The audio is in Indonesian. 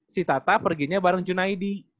si tata perginya bareng junaidi